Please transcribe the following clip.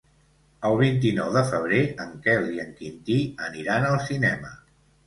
El vint-i-nou de febrer en Quel i en Quintí aniran al cinema.